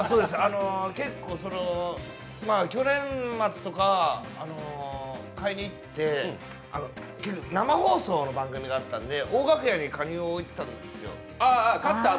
結構去年末とか、買いに行って生放送の番組があったんで大楽屋にかにを置いておいたんですよ。